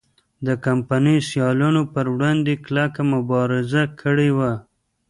د کمپنۍ سیالانو پر وړاندې کلکه مبارزه کړې وه.